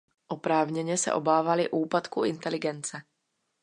Oprávněně se obávali úpadku inteligence.